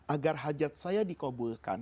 agar hajat saya dikabulkan